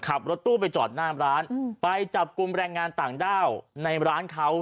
ขับรถตู้ไปจอดหน้ามร้านไปจับกลุ่มแรงงานต่างด้าวในร้านเขา